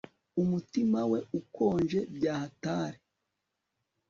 umutima we ukonje byahatari